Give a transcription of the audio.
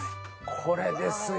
これですよ。